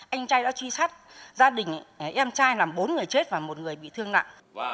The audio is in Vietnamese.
anh trai đã truy sát gia đình em trai làm bốn người chết và một người bị thương nặng